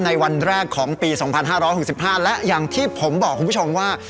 ในวันแรกของปีสองพันห้าร้อยหกสิบพันและอย่างที่ผมบอกคุณผู้ชมว่า